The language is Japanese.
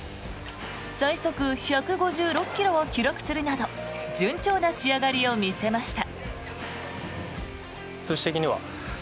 最速１５６ｋｍを記録するなど順調な仕上がりを見せました。